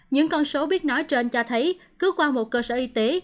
những con số biết nói trên cho thấy cứ qua một cơ sở y tế